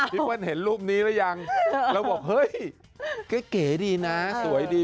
เปิ้ลเห็นรูปนี้หรือยังเราบอกเฮ้ยเก๋ดีนะสวยดี